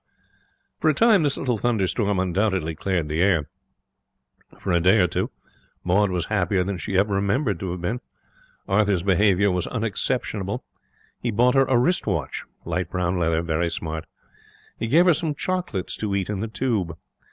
For a time this little thunderstorm undoubtedly cleared the air. For a day or two Maud was happier than she ever remembered to have been. Arthur's behaviour was unexceptionable. He bought her a wrist watch light brown leather, very smart. He gave her some chocolates to eat in the Tube.